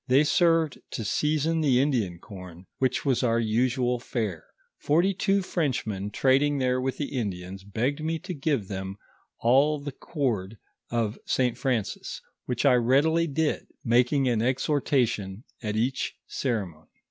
They served to season the Indian corn, which Avas our usual faro. Forty two Frenchmen trading there with the Indians begged me to give them all the cord of St. Francis, which I readily did, making an exhortation at each ceremony.